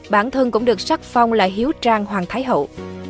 bản thân cũng được sắc phong là hiếu trang hoàng thái hậu